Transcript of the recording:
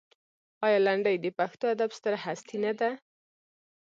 آیا لنډۍ د پښتو ادب ستره هستي نه ده؟